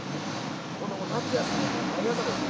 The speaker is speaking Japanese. この頃夏休みね毎朝ですよ